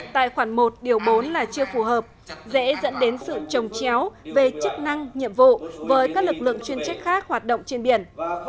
tại khoản một điều bốn là chưa phù hợp dễ dẫn đến sự trồng chéo về chức năng nhiệm vụ với các lực lượng chuyên trách khác hoạt động trên biển